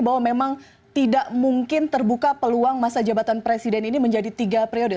bahwa memang tidak mungkin terbuka peluang masa jabatan presiden ini menjadi tiga periode